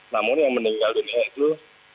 namun yang meninggal dunia itu